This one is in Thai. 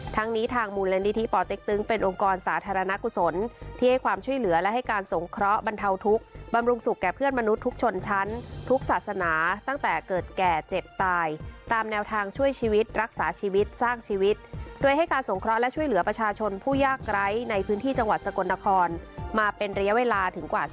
ทั้งนี้ทางมูลนิธิปอเต็กตึงเป็นองค์กรสาธารณกุศลที่ให้ความช่วยเหลือและให้การสงเคราะห์บรรเทาทุกข์บำรุงสุขแก่เพื่อนมนุษย์ทุกชนชั้นทุกศาสนาตั้งแต่เกิดแก่เจ็บตายตามแนวทางช่วยชีวิตรักษาชีวิตสร้างชีวิตโดยให้การสงเคราะห์และช่วยเหลือประชาชนผู้ยากไร้ในพื้นที่จังหวัดสกลนครมาเป็นระยะเวลาถึงกว่า